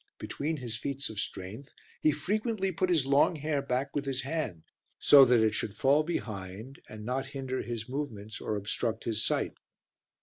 Between his feats of strength he frequently put his long hair back with his hand, so that it should fall behind and not hinder his movements or obstruct his sight.